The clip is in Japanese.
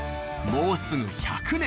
もうすぐ１００年。